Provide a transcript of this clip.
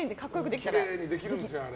きれいにできるんですよ、あれ。